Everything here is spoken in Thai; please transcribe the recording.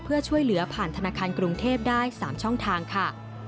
เพื่อช่วยเหลือผ่านธนาคารกรุงเทพได้๓ช่องทางค่ะ